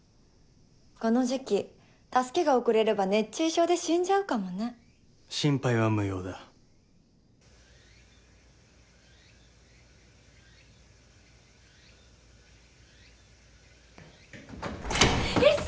この時季助けが遅れれば熱中症で死んじゃうかもね心配は無用だ壱成！